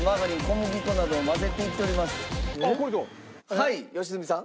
はい良純さん。